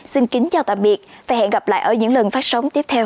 xin kính chào tạm biệt và hẹn gặp lại ở những lần phát sóng tiếp theo